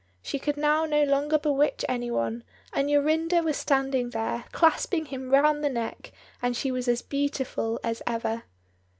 She could now no longer bewitch any one; and Jorinda was standing there, clasping him round the neck, and she was as beautiful as ever!